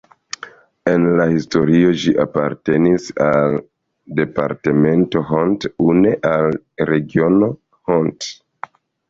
En la historio ĝi apartenis al departemento Hont, nune al regiono Hont.